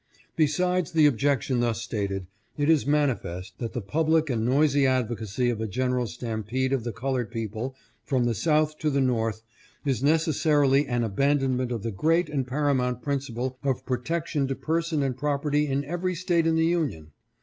"Besides the objection thus stated, it is manifest that the public and noisy advocacy of a general stampede of the colored people from the South to the North is necessarily an abandonment of the great and paramount principle of protection to person and property in every State in the Union.